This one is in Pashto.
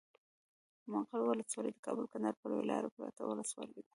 مقر ولسوالي د کابل کندهار پر لويه لاره پرته ولسوالي ده.